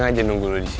gapapa ryan udah pas